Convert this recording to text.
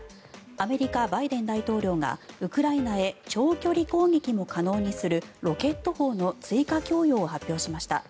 アメリカ、バイデン大統領がウクライナへ長距離攻撃も可能にするロケット砲の追加供与を発表しました。